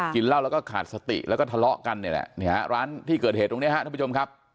กินเหล้าแล้วก็ขาดสติแล้วก็ทะเลาะกันเนี่ยแหละเนี่ยร้านที่เกิดเหตุตรงนี้ฮะท่านผู้ชมครับ